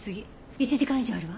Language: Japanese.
１時間以上あるわ。